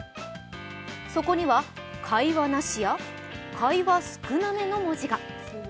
そこには「会話なし」や「会話少なめ」の文字が。